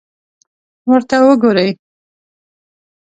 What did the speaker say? ورته وګورئ!